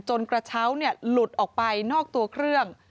กระเช้าหลุดออกไปนอกตัวเครื่อง